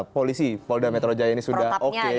polisi polda metro jaya ini sudah oke